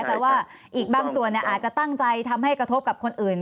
แต่ว่าอีกบางส่วนอาจจะตั้งใจทำให้กระทบกับคนอื่น